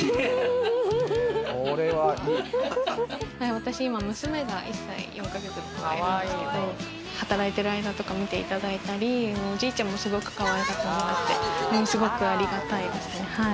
私今、娘が、１歳４か月のいるんですけれども、働いてる間とか見ていただいたり、おじいちゃんもすごくかわいがってもらって、すごくありがたいですね。